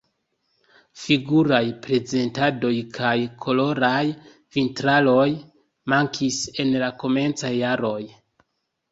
Figuraj prezentadoj kaj koloraj vitraloj mankis en la komencaj jaroj.